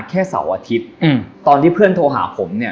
แค่เสาร์อาทิตย์ตอนที่เพื่อนโทรหาผม